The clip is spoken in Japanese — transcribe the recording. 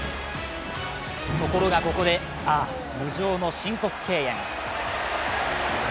ところがここでああ、無情の申告敬遠。